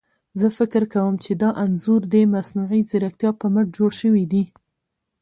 زه فکر کوم چي دا انځور ده مصنوعي ځيرکتيا په مټ جوړ شوي دي.